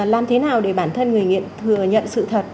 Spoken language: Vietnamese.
làm thế nào để bản thân người nghiện thừa nhận sự thật